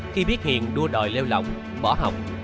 khi biết hiền đua đội leo lỏng bỏ học